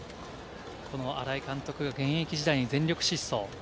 新井監督、現役時代、全力疾走。